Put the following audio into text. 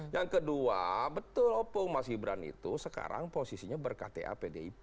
yang kedua betul opung mas gibran itu sekarang posisinya berkata pdip